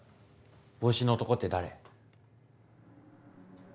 帽子の男って誰？